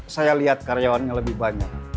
saya lihat karyawannya lebih banyak